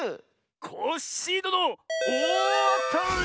⁉コッシーどのおおあたり！